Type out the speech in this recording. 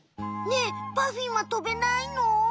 ねえパフィンは飛べないの？